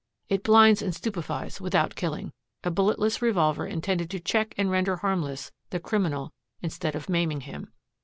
"It blinds and stupefies without killing a bulletless revolver intended to check and render harmless the criminal instead of maiming him.